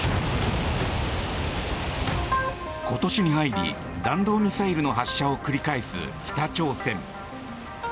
今年に入り弾道ミサイルの発射を繰り返す北朝鮮。